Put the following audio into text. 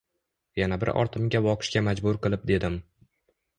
Yana bir ortimga boqishga majbur qilib dedim.